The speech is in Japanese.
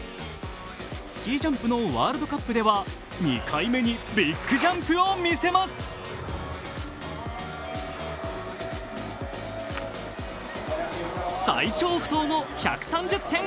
スキージャンプのワールドカップでは２回目にビッグジャンプを見せます最長不倒の１３０．５ｍ。